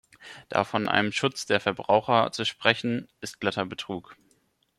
Da von einem Schutz der Verbraucher zu sprechen, ist glatter Betrug!